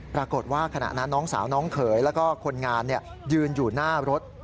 ปรากฏว่าขณะนั้นน้องสาวน้องเขยแล้วก็คนงานยืนอยู่หน้ารถ